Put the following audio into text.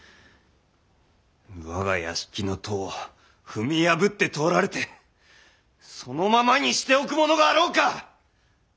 我が屋敷の戸を踏み破って通られてそのままにしておく者があろうか！